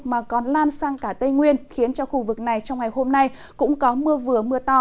mà còn lan sang cả tây nguyên khiến cho khu vực này trong ngày hôm nay cũng có mưa vừa mưa to